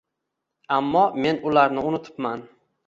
Ammo men ularni unutibman